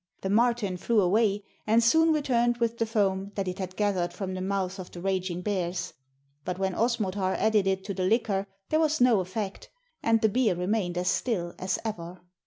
The marten flew away, and soon returned with the foam that it had gathered from the mouths of the raging bears. But when Osmotar added it to the liquor there was no effect, and the beer remained as still as ever.